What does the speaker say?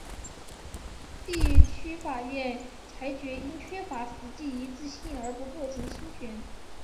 地区法院裁决因缺乏实际一致性而不构成侵权。